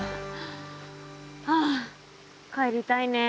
ああ帰りたいね。